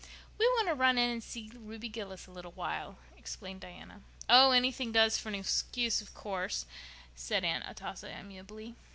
"We want to run in and see Ruby Gillis a little while," explained Diana. "Oh, anything does for an excuse, of course," said Aunt Atossa, amiably.